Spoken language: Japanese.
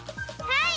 はい！